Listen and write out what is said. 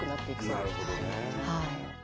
なるほどね。